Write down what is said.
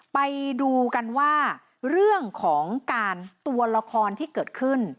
ไปดูกันว่าเรื่องของการตัวละครที่เกิดขึ้น